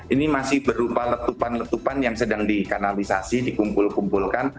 ini masih berupa letupan letupan yang sedang dikanalisasi dikumpul kumpulkan